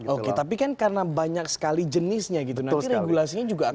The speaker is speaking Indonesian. oke tapi kan karena banyak sekali jenisnya gitu nanti regulasinya juga akan